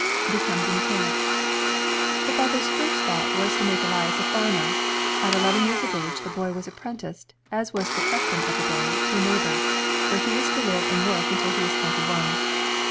Becomi:s a Mechanic The father's first thought was to make Elias a farmer. At eleven years of age the boy was apprenticed, as was the custom of the day, to a neighbor, where he was to live and work until he was twenty one.